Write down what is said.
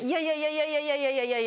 いやいやいやいやいやいや。